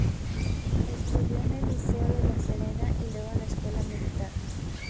Estudió en el Liceo de La Serena y luego en la Escuela Militar.